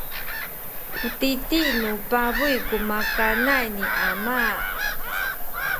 u titi nu pabuy ku makanay ni ama.